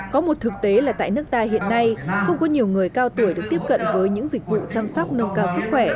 có một thực tế là tại nước ta hiện nay không có nhiều người cao tuổi được tiếp cận với những dịch vụ chăm sóc nâng cao sức khỏe